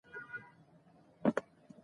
د لاسونو مینځل ډیر مهم دي۔